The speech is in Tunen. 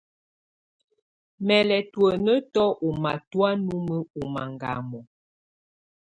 Mɛ̀ lɛ̀ tuǝ́nǝ́tù ù matɔ̀á numǝ́ ù mangamɔ̀.